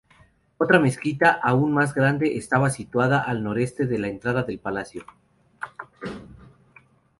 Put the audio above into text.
Otra mezquita aún más grande estaba situada al noreste de la entrada del palacio.